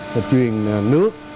là truyền nước